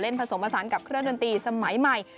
ผสมผสานกับเครื่องดนตรีสมัยใหม่